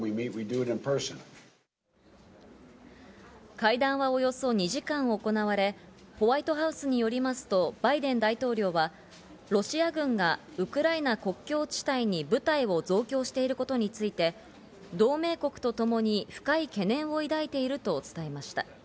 会談はおよそ２時間行われ、ホワイトハウスによりますとバイデン大統領はロシア軍がウクライナ国境地帯に部隊を増強していることについて同盟国とともに深い懸念を抱いていると伝えました。